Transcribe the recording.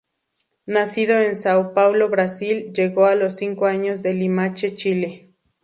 Nacido en São Paulo, Brasil, llegó a los cinco años a Limache, Chile.